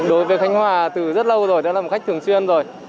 đối với khánh hòa từ rất lâu rồi đã là một khách thường xuyên rồi